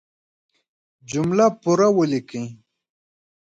جملې پوره وليکئ!